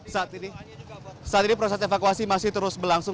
saat ini proses evakuasi masih terus berlangsung